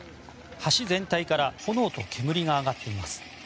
橋全体から炎と煙が上がっています。